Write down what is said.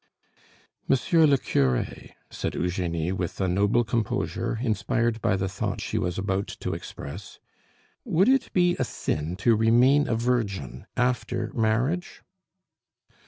"Monsieur le cure," said Eugenie with a noble composure, inspired by the thought she was about to express, "would it be a sin to remain a virgin after marriage?"